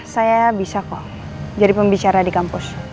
saya bisa kok jadi pembicara di kampus